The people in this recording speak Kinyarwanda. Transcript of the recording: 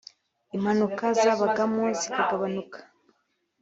impanuka zabagamo zikagabanuka